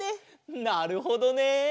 なるほどね。